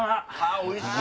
おいしい！